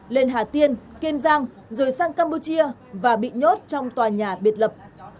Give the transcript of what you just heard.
lên hà tiên kiên giang rồi sang campuchia và bị nhốt trong tòa nhà biệt lập